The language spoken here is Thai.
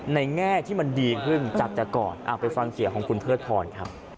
แง่ที่มันดีขึ้นจากแต่ก่อนไปฟังเสียงของคุณเทิดพรครับ